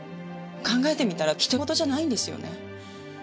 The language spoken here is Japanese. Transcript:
考えてみたらひとごとじゃないんですよね。